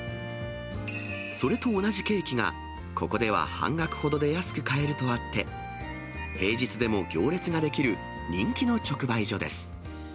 それと同じケーキが、ここでは半額ほどで安く買えるとあって、平日でも行列が出来る人気の直売所です。